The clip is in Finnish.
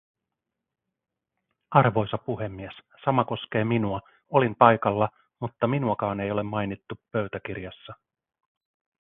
Arvoisa puhemies, sama koskee minua, olin paikalla, mutta minuakaan ei ole mainittu pöytäkirjassa!